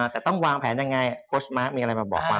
แต่ต้องวางแผนยังไงโค้ชมาร์คมีอะไรมาบอกบ้าง